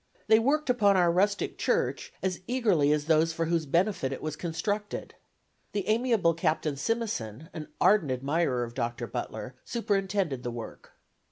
They worked upon our rustic church as eagerly as those for whose benefit it was constructed. The amiable Captain Simison, an ardent admirer of Dr. Butler, superintended the work.